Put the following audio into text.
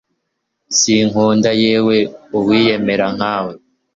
sinkunda, yewe uwiyemera nkawe